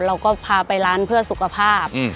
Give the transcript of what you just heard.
เราก็พาไปร้านเพื่อสุขภาพ